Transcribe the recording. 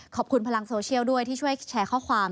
พลังโซเชียลด้วยที่ช่วยแชร์ข้อความ